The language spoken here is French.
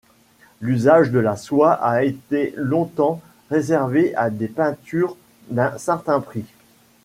L'usage de la soie a été longtemps réservé à des peintures d'un certain prix.